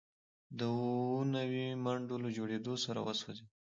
د اووه نوي منډو له جوړیدو سره وسوځیدل